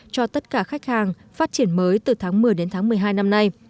cho tất cả khách hàng phát triển mới từ tháng một mươi đến tháng một mươi hai năm nay